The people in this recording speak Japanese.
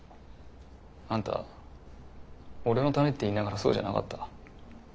あんた俺のためって言いながらそうじゃなかった。